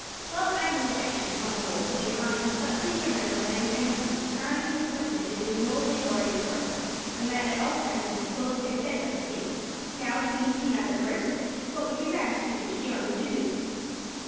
Well, I've no objection, on the whole, to be an army; but, please, remember that in time of peace an army is expected to do no laborious work, and that at all times it is clothed and fed by the State. Now, Queen Pina the First, what would your Majesty wish the army to do?"